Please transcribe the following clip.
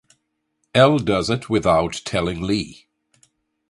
Elle does it without telling Lee.